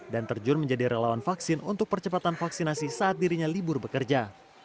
dan terjun menjadi relawan vaksin untuk percepatan vaksinasi saat dirinya libur bekerja